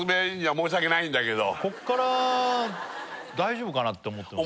こっから大丈夫かなって思ってます